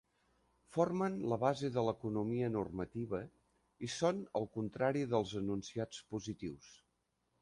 Formen la base de l'economia normativa i són el contrari dels enunciats positius.